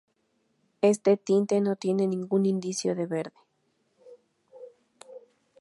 Este tinte no tiene ningún indicio de verde.